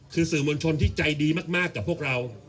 คือสื่อมวลชนที่ใจดีมากกับพวกเรา